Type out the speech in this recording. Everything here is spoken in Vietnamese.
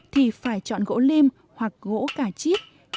thì phải chọn gỗ lim hoặc gỗ cả chít